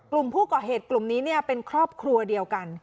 กลุ่มผู้ก่อเหตุกลุ่มนี้เป็นครอบครัวเดียวกัน